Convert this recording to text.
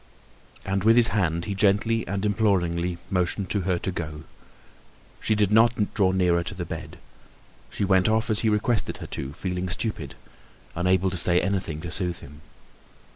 And with his hand he gently and imploringly motioned to her to go. She did not draw nearer to the bed. She went off as he requested her to, feeling stupid, unable to say anything to soothe him.